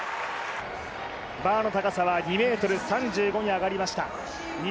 バーの高さはｍ３５に上がりました。